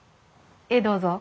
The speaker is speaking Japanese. ええどうぞ。